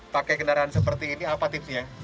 pakai kendaraan seperti ini apa tipsnya